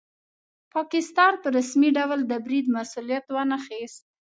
پاکستان په رسمي ډول د برید مسوولیت وانه خیست.